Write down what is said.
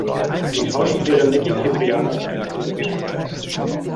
Die Schauspielerin Niki Cipriano ist seine ältere Schwester.